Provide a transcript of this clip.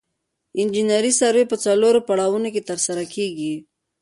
انجنیري سروې په څلورو پړاوونو کې ترسره کیږي